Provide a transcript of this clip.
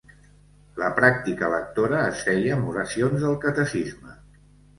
La pràctica lectora es feia amb oracions del catecisme.